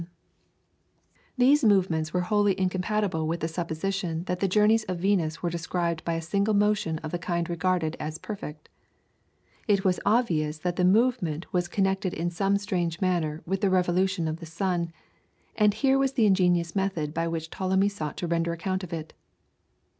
1. PTOLEMY'S PLANETARY SCHEME.] These movements were wholly incompatible with the supposition that the journeys of Venus were described by a single motion of the kind regarded as perfect. It was obvious that the movement was connected in some strange manner with the revolution of the sun, and here was the ingenious method by which Ptolemy sought to render account of it.